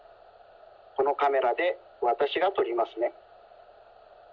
このカメラでわたしがとりますね。